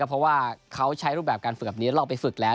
เพราะว่าเขาใช้รูปแบบการฝึกแบบนี้เราไปฝึกแล้ว